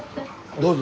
どうぞ。